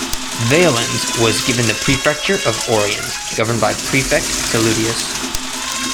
Valens was given the Prefecture of Oriens, governed by prefect Salutius.